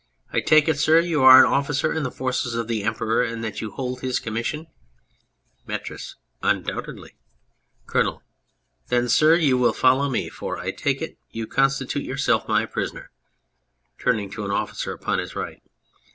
I take it, sir, you are an officer in the forces of the Emperor and that you hold his commission ? METRIS. Undoubtedly. COLONEL. Then, sir, you will follow me, for I take it you constitute yourself my prisoner. (Turning to an officer upon his right.)